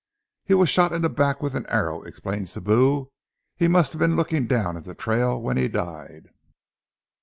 "He was shot in the back with an arrow." explained Sibou. "He must have been looking down at the trail when he died."